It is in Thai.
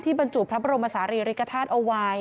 บรรจุพระบรมศาลีริกฐาตุเอาไว้